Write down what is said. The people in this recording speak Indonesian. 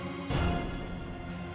pergi ke sana